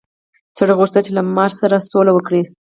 سړي وغوښتل چې له مار سره سوله وکړي.